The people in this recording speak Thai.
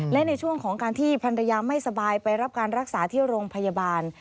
และในช่วงของการที่ภรรยาไม่สบายไปรับการรักษาที่โรงพยาบาล